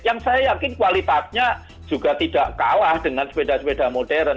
yang saya yakin kualitasnya juga tidak kalah dengan sepeda sepeda modern